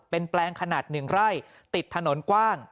เป็นแปลงขนาด๑ไร่ติดถนนกว้าง